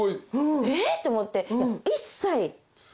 「えっ！？」と思って。